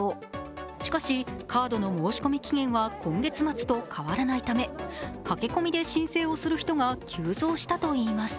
しかし、カードの申込期限は今月末と変わらないため駆け込みで申請をする人が急増したといいます。